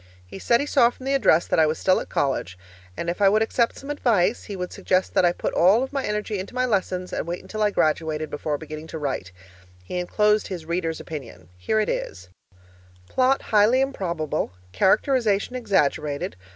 He said he saw from the address that I was still at college, and if I would accept some advice, he would suggest that I put all of my energy into my lessons and wait until I graduated before beginning to write. He enclosed his reader's opinion. Here it is: 'Plot highly improbable. Characterization exaggerated.